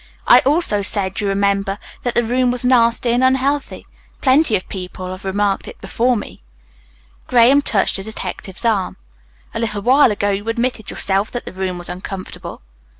I also said, you remember, that the room was nasty and unhealthy. Plenty of people have remarked it before me." Graham touched the detective's arm. "A little while ago you admitted yourself that the room was uncomfortable."